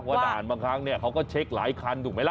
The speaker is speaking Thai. วันอาหารบางครั้งเนี่ยเขาก็เช็คหลายคันถูกไหมแล้ว